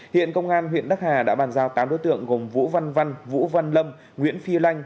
hiện công an huyện đắc hà đã bàn giao tám đối tượng gồm vũ văn văn vũ văn lâm nguyễn phi lanh